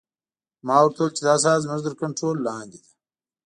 ما ورته وویل چې دا ساحه زموږ تر کنترول لاندې ده